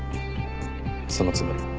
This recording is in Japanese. そのつもり。